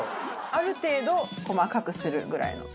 ある程度細かくするぐらいの。